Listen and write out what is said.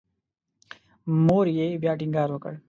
مور یې بیا ټینګار وکړ.